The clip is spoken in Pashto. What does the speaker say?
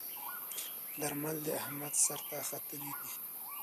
درمل د احمد سر ته ختلي ديی.